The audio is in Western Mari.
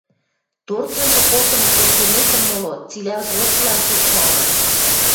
Торцынжы колтымы костенецӹм моло цилӓ взводшылан пукша ылын...